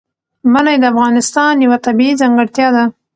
منی د افغانستان یوه طبیعي ځانګړتیا ده.